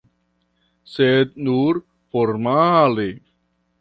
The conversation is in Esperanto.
Sed nur formale.